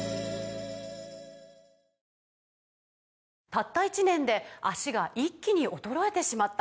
「たった１年で脚が一気に衰えてしまった」